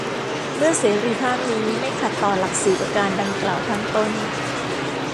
เมื่อเสรีภาพนี้ ไม่ขัดต่อหลักสี่ประการดังกล่าวข้างต้น